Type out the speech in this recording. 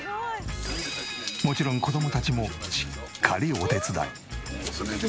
もちろん子供たちもしっかりお手伝い。